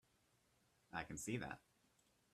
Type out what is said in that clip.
I can see that.